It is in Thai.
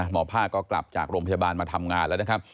หมอภาคก็กลับจากโรงพยาบาลมาทำงานแล้วนะครับ